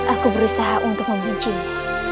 aku berusaha untuk membencimu